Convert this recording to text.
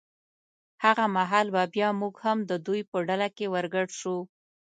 هغه مهال به بیا موږ هم د دوی په ډله کې ور ګډ شو.